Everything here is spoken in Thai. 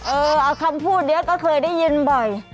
เออเอาคำพูดเดี๋ยวก็เคยได้ยินบ่อย